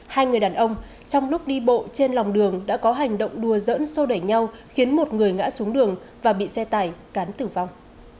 hai người đàn ông trong lúc đi bộ trên lòng đường đã có hành động đua dẫn sô đẩy nhau khiến một người ngã xuống đường và bị xe tải cán tử vong